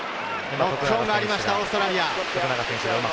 ノックオンがありました、オーストラリア。